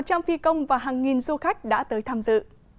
một trăm linh phi công và hàng nghìn du khách đã tới tham dự